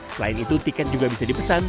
selain itu tiket juga bisa dipesan